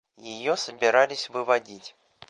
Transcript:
Ее собирались выводить.